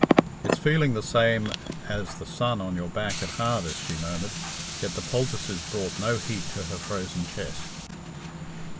"It's feeling the same as the sun on your back at harvest," she murmured, yet the poultices brought no heat to her frozen chest.